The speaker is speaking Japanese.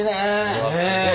うわすごい。